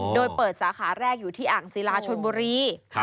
โดยเปิดสาขาแรกอยู่ที่อ่างศิลาชนบุรี